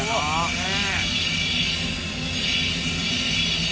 ねえ。